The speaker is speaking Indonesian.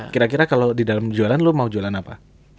kira kira kalau di dalam jualan lo mau jualan apa